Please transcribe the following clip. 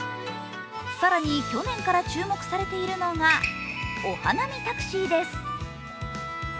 更に去年から注目されているのがお花見タクシーです。